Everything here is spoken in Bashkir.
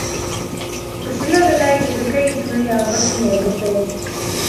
Күршелә генә Йөҙөкәй исемле яңғыҙ инәй йәшәй.